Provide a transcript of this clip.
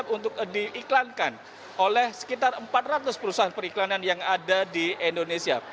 untuk diiklankan oleh sekitar empat ratus perusahaan periklanan yang ada di indonesia